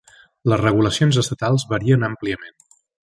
Les regulacions estatals varien àmpliament.